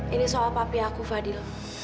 ini soal papi aku fadil